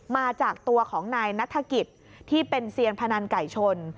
มาจากตัวของนายนัฐกิจที่เป็นเซียนพนันไก่ชน